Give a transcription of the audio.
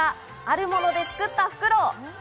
あるもので作ったフクロウ。